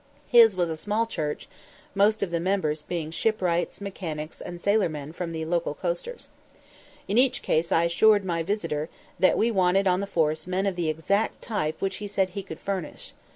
His was a small church, most of the members being shipwrights, mechanics, and sailormen from the local coasters. In each case I assured my visitor that we wanted on the force men of the exact type which he said he could furnish.